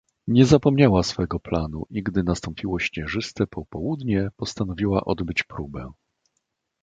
"Nie zapomniała swego planu, i gdy nastąpiło śnieżyste popołudnie, postanowiła odbyć próbę."